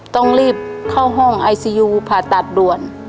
ต้องรีบเข้าห้องไอซียูผ่าตัดด่วน